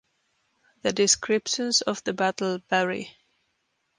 The descriptions of the battle vary.